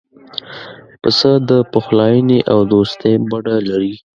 پسه د پخلاینې او دوستی بڼه لري.